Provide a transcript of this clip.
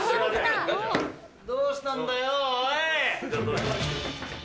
どうしたんだよ、おい。